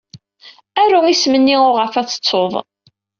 Aru isem-nni uɣaf ad t-tettud.